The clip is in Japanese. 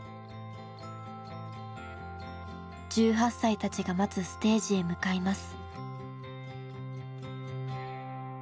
１８歳たちが待つステージへ向かいます。